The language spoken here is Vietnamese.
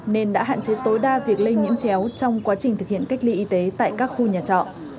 nên đã hạn chế tối đa việc lây nhiễm chéo trong quá trình thực hiện cách ly y tế tại các khu nhà trọ